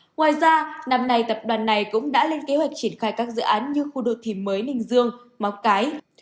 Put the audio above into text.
ngoài ra năm nay tập đoàn này cũng đã lên kế hoạch triển khai các dự án như khu đô thị mới ninh dương món cái